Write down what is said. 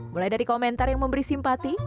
mulai dari komentar yang memberi simpati